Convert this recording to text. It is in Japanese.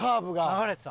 流れてた。